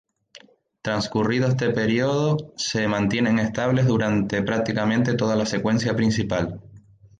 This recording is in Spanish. Transcurrido este periodo, se mantienen estables durante prácticamente toda la secuencia principal.